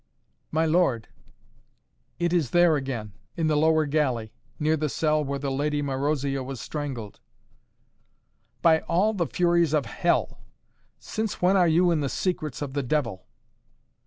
"My lord it is there again, in the lower gallery near the cell where the Lady Marozia was strangled " "By all the furies of Hell! Since when are you in the secrets of the devil?"